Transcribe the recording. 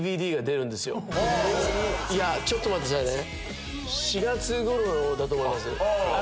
いやちょっと待ってくださいね。